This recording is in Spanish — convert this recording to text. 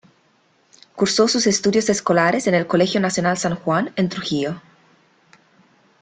Cursó sus estudios escolares en el Colegio Nacional San Juan, en Trujillo.